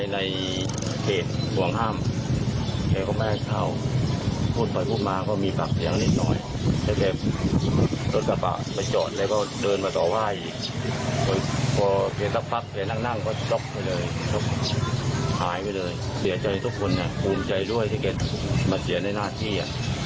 นั่งก็จ๊อบไปเลยหายไปเลยเดี๋ยวใจทุกคนภูมิใจด้วยถ้าเก็บมาเสียในหน้าที่